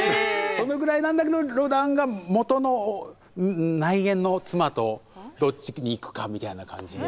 そのぐらいなんだけどロダンが元の内縁の妻とどっちに行くかみたいな感じで。